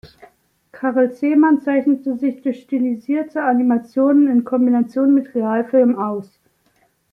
Karel Zeman zeichnete sich durch stilisierte Animationen in Kombination mit Realfilm aus.